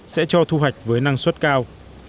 sẽ cho thu hoạch với năng suất cao